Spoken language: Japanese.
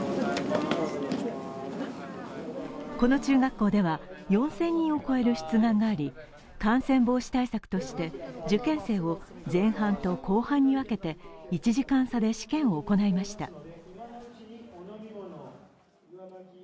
この中学校では４０００人を超える出願があり感染防止対策として受験生を前半と後半に分けて１時間差で試験を行いました。